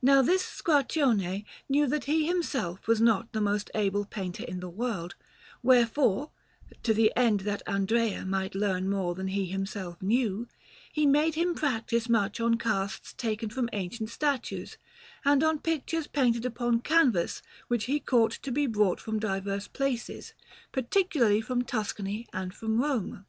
Now this Squarcione knew that he himself was not the most able painter in the world; wherefore, to the end that Andrea might learn more than he himself knew, he made him practise much on casts taken from ancient statues and on pictures painted upon canvas which he caused to be brought from diverse places, particularly from Tuscany and from Rome.